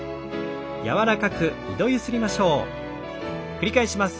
繰り返します。